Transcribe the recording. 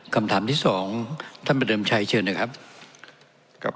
คำถามที่สองท่านประเดิมชัยเชิญนะครับครับ